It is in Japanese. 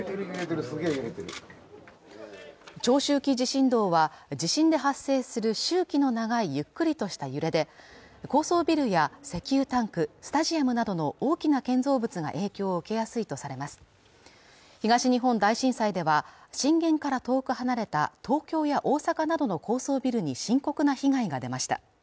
長周期地震動は地震で発生する周期の長いゆっくりとした揺れで高層ビルや石油タンクスタジアムなどの大きな建造物が影響を受けやすいとされます東日本大震災では震源から遠く離れた東京や大阪などの高層ビルに深刻な被害が出ました